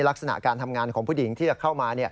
ลักษณะการทำงานของผู้หญิงที่จะเข้ามา